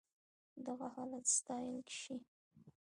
دغه حالت ستايل شي.